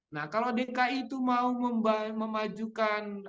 nah kalau dki itu mau memajukan